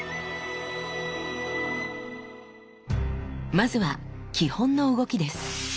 まずは基本の動きです。